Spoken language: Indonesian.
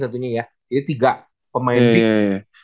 tentunya ya jadi tiga pemain ini